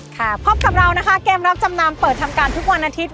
พบกับเรานะคะเกมรับจำนำเปิดทำการทุกวันอาทิตย